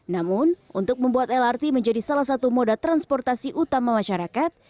namun untuk membuat lrt menjadi salah satu moda transportasi utama masyarakat